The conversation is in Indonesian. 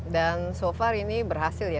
dan so far ini berhasil ya